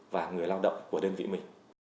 và người lao động của đơn vị mình